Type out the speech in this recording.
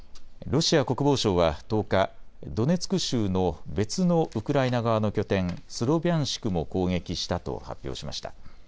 ロシア国防省は１０日、ドネツク州の別のウクライナ側の拠点、スロビャンシクも攻撃したと発表しました。